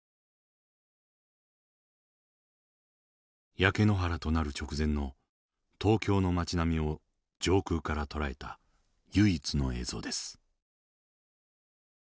焼け野原となる直前の東京の町並みを上空から捉えた唯一の映像です。